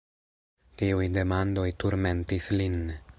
Tiuj demandoj turmentis lin.